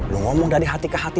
lo ngomong dari hati ke hati